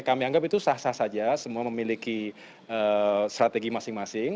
kami anggap itu sah sah saja semua memiliki strategi masing masing